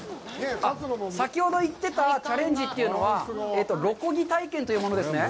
先ほど言ってたチャレンジというのは、ろこぎ体験というものですね。